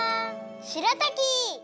しらたき！